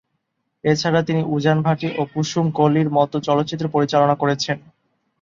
এছাড়া, তিনি "উজান ভাটি" ও "কুসুম কলি" র মত চলচ্চিত্র পরিচালনা করেছেন।